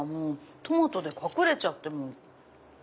トマトで隠れちゃって。